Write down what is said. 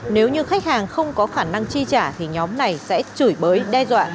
nếu như khách hàng không có khả năng chi trả thì nhóm này sẽ chửi bới đe dọa